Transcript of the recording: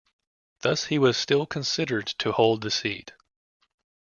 Thus he was still considered to hold the seat.